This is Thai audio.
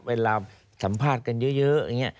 เวลาสัมภาษณ์กันเยอะอย่างนี้